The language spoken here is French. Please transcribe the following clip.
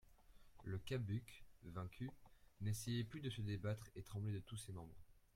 Le Cabuc, vaincu, n'essayait plus de se débattre et tremblait de tous ses membres.